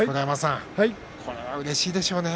これはうれしいでしょうね。